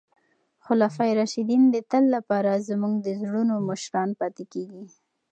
خلفای راشدین د تل لپاره زموږ د زړونو مشران پاتې کیږي.